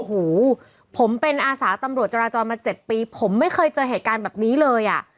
หูผมเป็นอาสาตำรวจจราจรมา๗ปีผมไม่เคยเจอแห่งการแบบนี้เลย